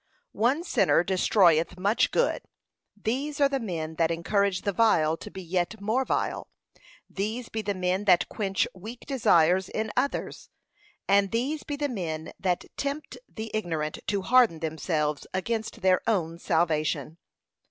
One sinner destroyeth much good; these are the men that encourage the vile to be yet more vile; these be the men that quench weak desires in others; and these be the men that tempt the ignorant to harden themselves against their own salvation.